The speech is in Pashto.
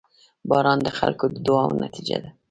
• باران د خلکو د دعاوو نتیجه ده.